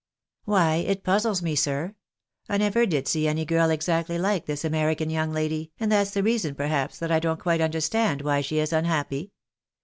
" Why, it puzzles me, sir. I never did see any girl exactly like this American young lady, and that's the reason, perhaps, that I don't quite understand why she is unhappy.